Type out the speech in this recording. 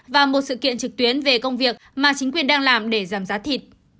và một sự kiện trực tuyến về công việc mà chính quyền đang làm để giảm giá thịt